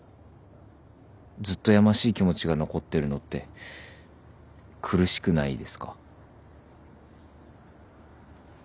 ずっとやましい気持ちが残ってるのって苦しくないですか？